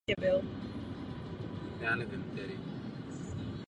Tato skutečnost předsednictví umožňuje zahájit jednání s Parlamentem.